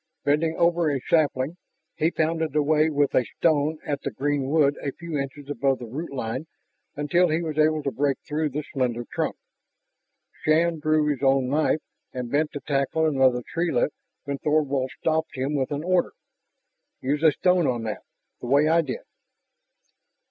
Bending over a sapling, he pounded away with a stone at the green wood a few inches above the root line until he was able to break through the slender trunk. Shann drew his own knife and bent to tackle another treelet when Thorvald stopped him with an order: "Use a stone on that, the way I did."